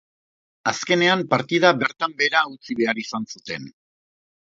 Azkenean, partida bertan behera utzi behar izan zuten.